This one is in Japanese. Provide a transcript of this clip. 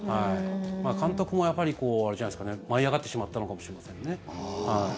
監督も、やっぱり舞い上がってしまったのかもしれませんね。